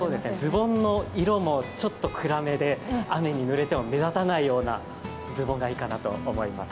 ズボンの色も、ちょっと暗めで雨にぬれても目立たないようなズボンがいいと思います。